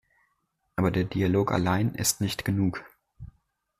Aber der Dialog allein ist nicht genug.